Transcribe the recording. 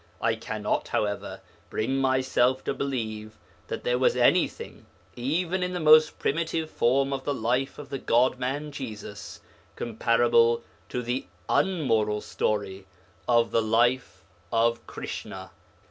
I cannot, however, bring myself to believe that there was anything, even in the most primitive form of the life of the God man Jesus, comparable to the unmoral story of the life of Krishna.